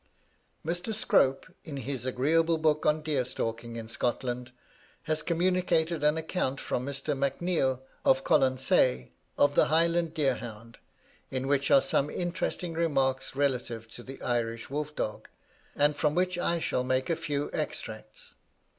Mr. Scrope, in his agreeable book on deer stalking in Scotland, has communicated an account from Mr. Macneill, of Colonsay, of the Highland deer hound, in which are some interesting remarks relative to the Irish wolf dog, and from which I shall make a few extracts.